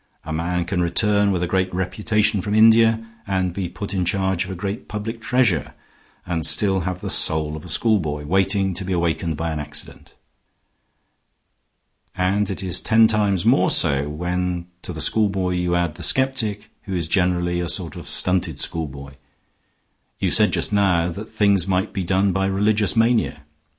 A man can return with a great reputation from India and be put in charge of a great public treasure, and still have the soul of a schoolboy, waiting to be awakened by an accident. And it is ten times more so when to the schoolboy you add the skeptic, who is generally a sort of stunted schoolboy. You said just now that things might be done by religious mania.